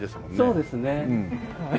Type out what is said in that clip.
そうですね。